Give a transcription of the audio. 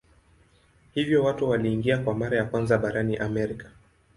Hivyo watu waliingia kwa mara ya kwanza barani Amerika.